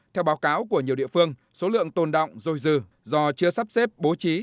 theo báo cáo của nhiều địa phương số lượng tồn đọng dồi dừ do chưa sắp xếp bố trí